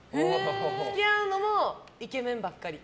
付き合うのもイケメンばっかり。